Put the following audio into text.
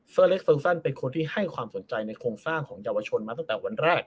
เล็กเฟิงซันเป็นคนที่ให้ความสนใจในโครงสร้างของเยาวชนมาตั้งแต่วันแรก